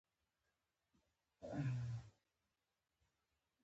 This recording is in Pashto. لوستونکي د هغه د کتابونو پر مټ لوړو پوړيو ته ورسېدل